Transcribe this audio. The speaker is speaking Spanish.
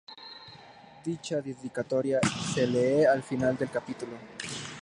Dicha dedicatoria se lee al final del capítulo.